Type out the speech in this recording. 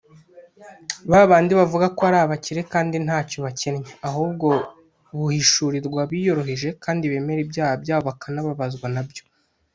ba bandi bavuga ko ari abakire kandi ntacyo bakennye, ahubwo buhishurirwa abiyoroheje kandi bemera ibyaha byabo bakanababazwa na byo